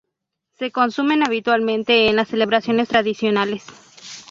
Se consumen habitualmente en las celebraciones tradicionales.